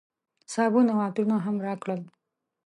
صابون او عطرونه هم راکړل.